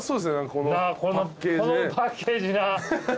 このパッケージね。